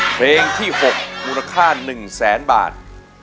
เพลงที่๖มูลค่า๑แสนบาท